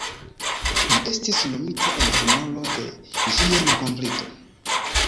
Ĝi estis nomita en honoro de ĝia malkovrinto.